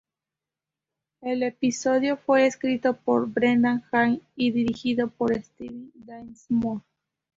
El episodio fue escrito por Brendan Hay y dirigido por Steven Dean Moore.